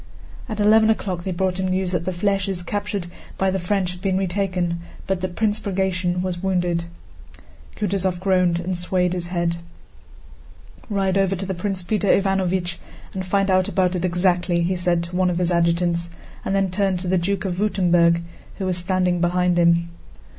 At eleven o'clock they brought him news that the flèches captured by the French had been retaken, but that Prince Bagratión was wounded. Kutúzov groaned and swayed his head. "Ride over to Prince Peter Ivánovich and find out about it exactly," he said to one of his adjutants, and then turned to the Duke of Württemberg who was standing behind him.